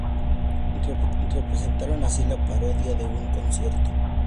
Representaron así la parodia de un concierto.